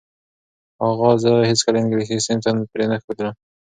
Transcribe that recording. اغا زه هیڅکله انګلیسي صنف ته پرې نه ښودلم.